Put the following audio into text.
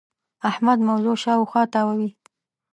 احمد موضوع شااوخوا تاووې.